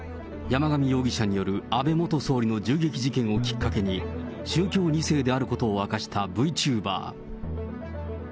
山上容疑者による安倍元総理の銃撃事件をきっかけに、宗教２世であることを明かしたブイチューバー。